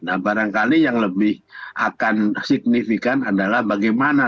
nah barangkali yang lebih akan signifikan adalah bagaimana